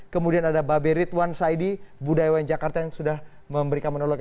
kemudian ada baberitwan saidi budaya yang jakarta yang sudah memberikan monolog